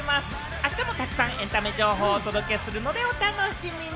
あしたもたくさんエンタメ情報をお届けするのでお楽しみに。